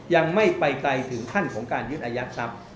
ยังไม่ไปไกลถึงขั้นของการยึดอายัดทรัพย์